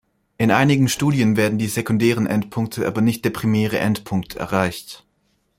In einigen Studien werden die sekundären Endpunkte, aber nicht der primäre Endpunkt erreicht.